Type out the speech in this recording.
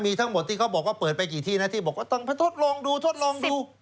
มีทั้งหมดที่เขาบอกว่าเปิดไปกี่ที่นะที่บอกว่าต้องไปทดลองดูทดลองดู